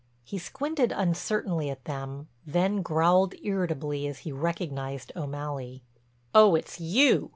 He squinted uncertainly at them, then growled irritably as he recognized O'Malley: "Oh, it's you.